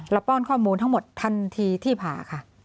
ป้อนข้อมูลทั้งหมดทันทีที่ผ่าค่ะ